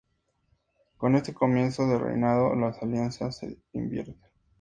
Con este comienzo de reinado, las alianzas se invierten.